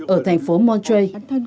ở thành phố montreux